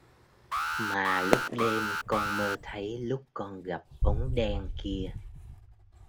Mà lúc đêm con mơ thấy lúc con gặp bóng đen kia